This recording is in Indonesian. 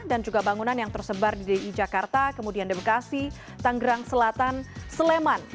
dan juga bangunan yang tersebar di jakarta kemudian di bekasi tanggerang selatan sleman